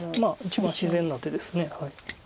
一番自然な手です。